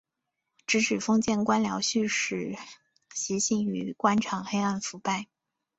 直指封建官僚胥吏习性与官场黑暗腐败。